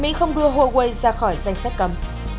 mỹ không đưa huawei ra khỏi danh sách cầm